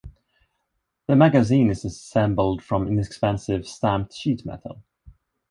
The magazine is assembled from inexpensive stamped sheet metal.